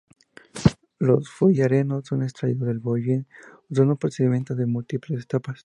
Los fullerenos son extraídos del hollín usando un procedimiento de múltiples etapas.